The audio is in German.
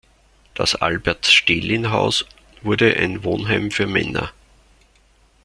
Das Albert-Stehlin-Haus wurde ein Wohnheim für Männer.